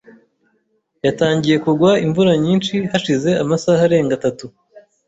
Yatangiye kugwa imvura nyinshi hashize amasaha arenga atatu .